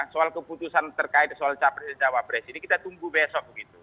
soal keputusan terkait soal capres dan cawapres ini kita tunggu besok begitu